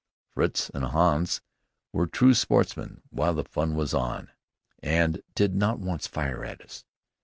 Fritz and Hans were true sportsmen while the fun was on, and did not once fire at us.